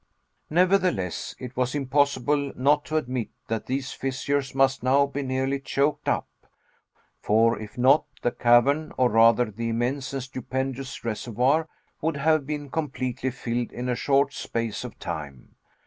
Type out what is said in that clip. Nevertheless, it was impossible not to admit that these fissures must now be nearly choked up, for if not, the cavern, or rather the immense and stupendous reservoir, would have been completely filled in a short space of time.